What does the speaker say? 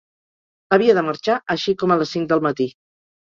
Havia de marxar així com a les cinc del matí.